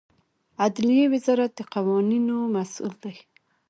عدلیې وزارت د قوانینو مسوول دی